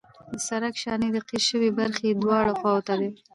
د سرک شانې د قیر شوې برخې دواړو خواو ته دي